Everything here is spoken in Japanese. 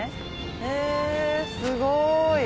へぇすごい。